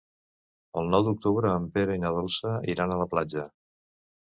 El nou d'octubre en Pere i na Dolça iran a la platja.